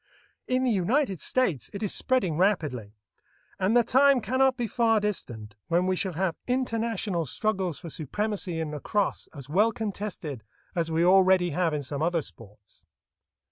In the United States it is spreading rapidly, and the time cannot be far distant when we shall have international struggles for supremacy in lacrosse as well contested as we already have in some other sports.